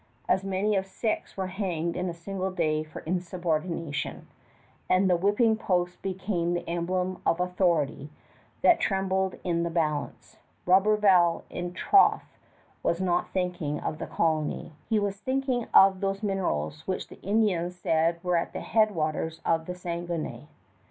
As many as six were hanged in a single day for insubordination, and the whipping post became the emblem of an authority that trembled in the balance. Roberval, in troth, was not thinking of the colony. He was thinking of those minerals which the Indians said were at the head waters of the Saguenay.